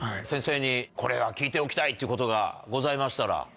先生にこれは聞いておきたいっていうことがございましたら。